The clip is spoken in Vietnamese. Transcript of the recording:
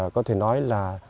có thể nói là